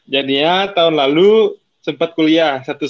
jadinya tahun lalu sempet kuliah